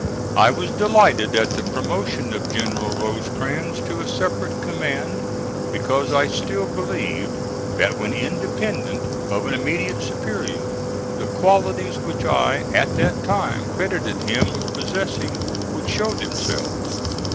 I was delighted at the promotion of General Rosecrans to a separate command, because I still believed that when independent of an immediate superior the qualities which I, at that time, credited him with possessing, would show themselves.